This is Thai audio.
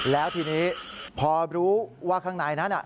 แล้วทีนี้พอรู้ว่าข้างในนั้น